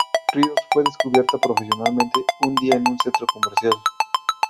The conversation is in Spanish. Ríos fue descubierta profesionalmente un día en un centro comercial.